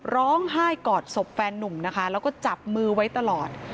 ร้องไห้กอดศพแฟนนุ่มนะคะแล้วก็จับมือไว้ตลอด